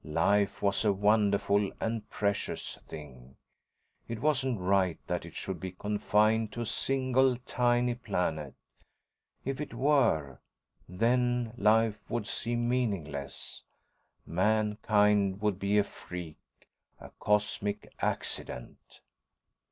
Life was a wonderful and precious thing. It wasn't right that it should be confined to a single, tiny planet. If it were, then life would seem meaningless. Mankind would be a freak, a cosmic accident.